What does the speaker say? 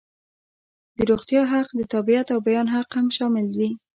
د روغتیا حق، د تابعیت او بیان حق هم شامل دي.